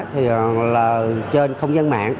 thì là trên không gian mạng